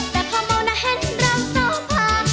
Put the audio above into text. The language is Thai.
แต่พอเมาหน้าเห็นรังสภา